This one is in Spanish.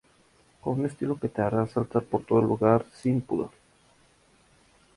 Con un estilo que te hará saltar por todo el lugar sin pudor".